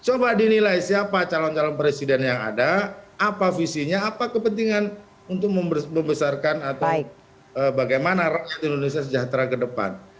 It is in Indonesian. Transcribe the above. coba dinilai siapa calon calon presiden yang ada apa visinya apa kepentingan untuk membesarkan atau bagaimana rakyat indonesia sejahtera ke depan